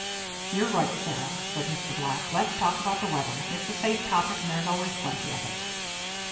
"You're right, Sarah," said Mr. Black. "Let's talk about the weather. It's a safe topic and there's always plenty of it."